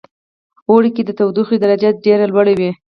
اوړی کې د تودوخې درجه ډیره لوړه وی